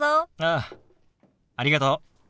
ああありがとう。